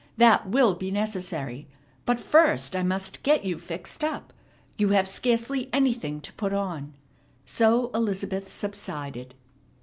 That will be necessary. But first I must get you fixed up. You have scarcely anything to put on." So Elizabeth subsided.